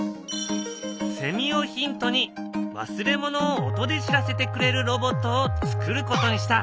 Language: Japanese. セミをヒントに忘れ物を音で知らせてくれるロボットをつくることにした。